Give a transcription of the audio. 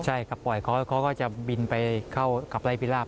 ใช่ครับปล่อยเขาก็จะบินไปเข้าขับไล่พิราบ